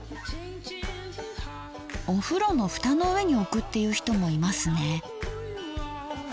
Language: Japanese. お風呂のフタの上に置くっていう人もいますね。